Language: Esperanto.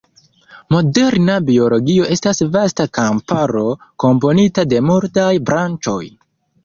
Moderna biologio estas vasta kamparo, komponita de multaj branĉoj.